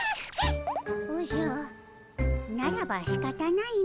おじゃならばしかたないの。